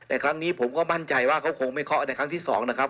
แต่ครั้งนี้ผมก็มั่นใจว่าเขาคงไม่เคาะในครั้งที่๒นะครับ